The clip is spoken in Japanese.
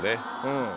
うん。